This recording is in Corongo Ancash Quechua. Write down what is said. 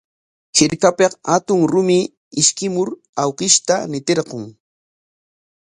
Hirkapik hatun rumi ishkimur awkishta ñitirqun.